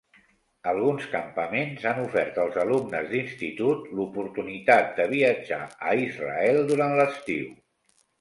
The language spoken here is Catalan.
Alguns campaments han ofert als alumnes d'institut, l'oportunitat de viatjar a Israel durant l'estiu.